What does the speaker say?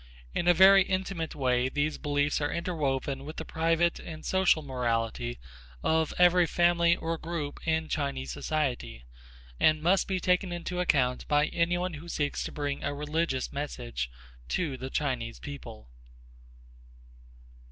In a very intimate way these beliefs are interwoven with the private and social morality of every family or group in Chinese society, and must be taken into account by any one who seeks to bring a religious message to the Chinese people.